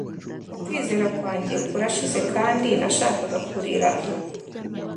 ukwizera kwanjye kurashize kandi nashakaga kurira